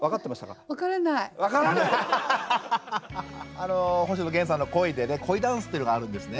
あの星野源さんの「恋」でね恋ダンスってのがあるんですね。